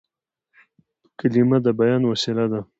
کلیمه د بیان وسیله ده.